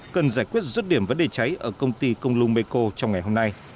cần giải quyết rứt điểm vấn đề cháy ở công ty công lung meko trong ngày hôm nay